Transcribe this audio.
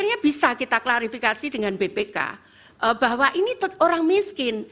sebenarnya bisa kita klarifikasi dengan bpk bahwa ini orang miskin